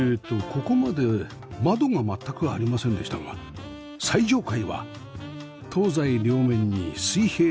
ここまで窓が全くありませんでしたが最上階は東西両面に水平連続窓がありました